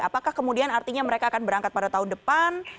apakah kemudian artinya mereka akan berangkat pada tahun depan